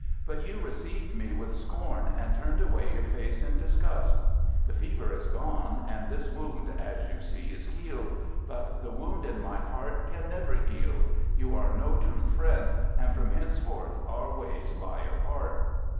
But you received me with scorn, and turned away your face in disgust. The fever is gone, and this wound (as you see) is healed; but the wound in my heart can never heal. You are no true friend; and from henceforth our ways lie apart."